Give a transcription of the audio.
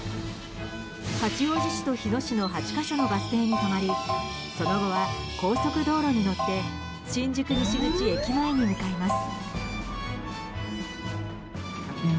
八王子市と日野市の８か所のバス停に止まりその後は高速道路に乗って新宿西口駅前に向かいます。